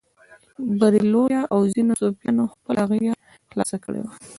بریلویه او ځینو صوفیانو خپله غېږه خلاصه کړې وه.